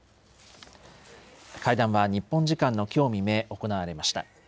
会談は日本時間のきょう未明、行われました。